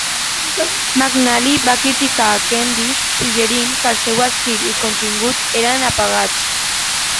McNally va criticar a Kennedy, suggerint que el seu estil i contingut eren apagats.